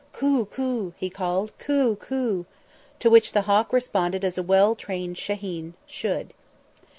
"Coo coo," he called; "coo coo," to which the hawk responded as a well trained shahin should.